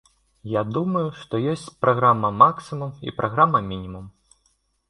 Я думаю, што ёсць праграма-максімум і праграма-мінімум.